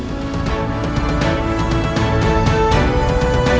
aku inginkan melahirkan rozmohmu